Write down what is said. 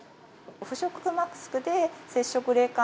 不織布マスクで接触冷感